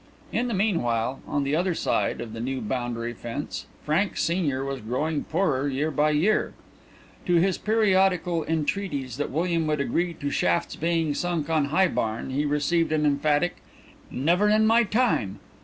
In the meanwhile, on the other side of the new boundary fence, Frank senior was growing poorer year by year. To his periodical entreaties that William would agree to shafts being sunk on High Barn he received an emphatic "Never in my time!"